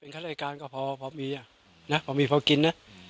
ข้ารายการก็พอมีนะพอมีพอกินนะ